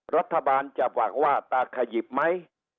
รัฐบาลจะหวังว่าตาขยิบไหม